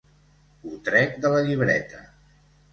Ho trec de la llibreta.